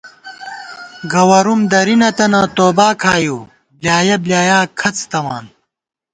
گوَرُوم درِی نَتَنہ توبا کھائیؤ ، بۡلیایَہ بۡلیا کھڅ تمان